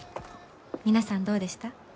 皆さんどうでした？